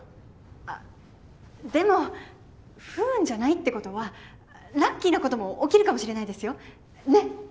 あっでも不運じゃないってことはラッキーなことも起きるかもしれないですよねっ！